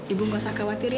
ibu nggak usah khawatir ya